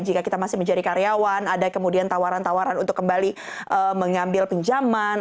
jika kita masih menjadi karyawan ada kemudian tawaran tawaran untuk kembali mengambil pinjaman